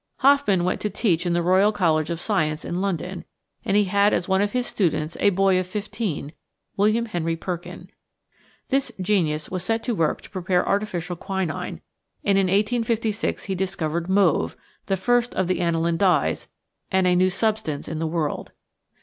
Hofmann went to teach in the Royal College of Science in London, and he had as one of his students a boy of fifteen, William Henry Perkin. This genius was set to work to prepare artificial quinine, and in 1856 he discovered "mauve," the first of the aniline dyes, and a new substance in the world.